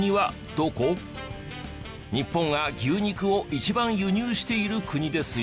日本が牛肉を一番輸入している国ですよ。